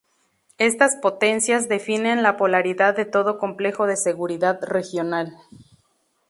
Estas potencias definen la polaridad de todo complejo de seguridad regional.